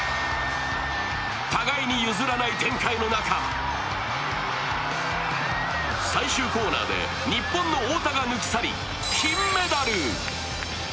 互いに譲らない展開の中最終コーナーで日本の太田が抜き去り、金メダル。